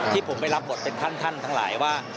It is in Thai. ที่ผมไปรับบทเป็นท่านทั้งหลายว่า